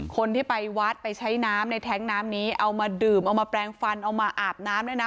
คนที่ไปวัดไปใช้น้ำในแท้งน้ำนี้เอามาดื่มเอามาแปลงฟันเอามาอาบน้ำด้วยนะ